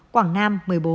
quảng nam một mươi bốn